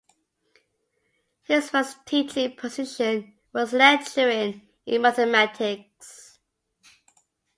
His first teaching position was lecturing in mathematics.